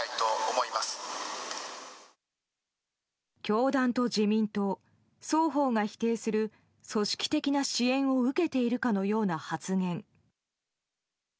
教団と自民党、双方が否定する組織的な支援を受けているかのような発言。